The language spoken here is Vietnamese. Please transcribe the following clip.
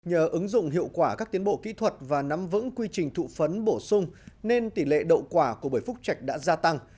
nhờ ứng dụng hiệu quả các tiến bộ kỹ thuật và nắm vững quy trình thụ phấn bổ sung nên tỷ lệ đậu quả của bưởi phúc trạch đã gia tăng